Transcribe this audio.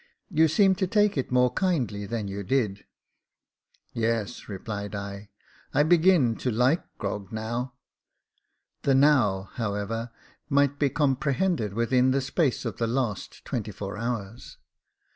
You seem to take it more kindly than you did." " Yes," replied I, " I begin to like grog now." The now however, might be comprehended within the space of the last twenty four hours.